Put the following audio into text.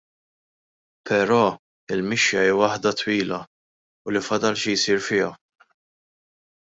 Però l-mixja hi waħda twila u li fadal xi jsir fiha.